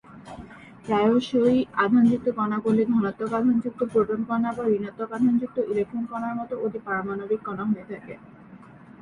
প্রায়শই আধানযুক্ত কণাগুলি ধনাত্মক আধানযুক্ত প্রোটন কণা বা ঋণাত্মক আধানযুক্ত ইলেকট্রন কণার মতো অতিপারমাণবিক কণা হয়ে থাকে।